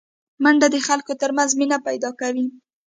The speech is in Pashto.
منډه د خلکو ترمنځ مینه پیداکوي